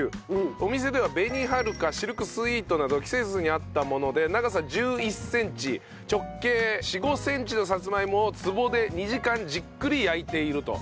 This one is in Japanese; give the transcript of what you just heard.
お店では紅はるかシルクスイートなど季節に合ったもので長さ１１センチ直径４５センチのさつまいもを壺で２時間じっくり焼いていると。